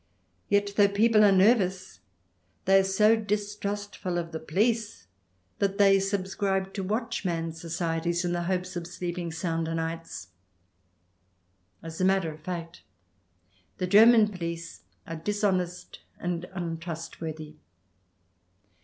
Yet, though people are nervous, they are so distrustful of the police that they subscribe to Watchman Societies in the hopes of sleeping sound o' nights. As a matter of fact, the German police are dishonest and untrustworthy.